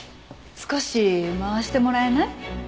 少し回してもらえない？